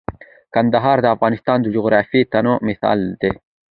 کندهار د افغانستان د جغرافیوي تنوع مثال دی.